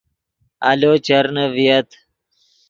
آلو چرنے ڤییت